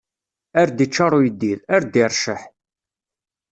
Ar d iččaṛ uyeddid, ar d iṛecceḥ.